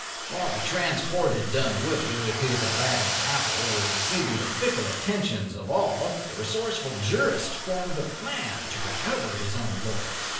While the transported Dunwoody, with his Aladdin's apple, was receiving the fickle attentions of all, the resourceful jurist formed a plan to recover his own laurels.